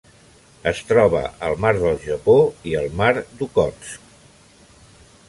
Es troba al mar del Japó i el mar d'Okhotsk.